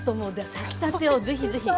炊きたてをぜひぜひ。